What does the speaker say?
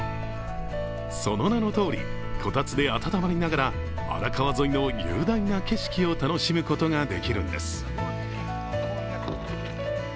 その名のとおりこたつで暖まりながら荒川沿いの雄大な景色を楽しむことができるんです。